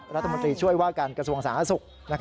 รัฐมนตรีช่วยว่าการกระทรวงสาธารณสุข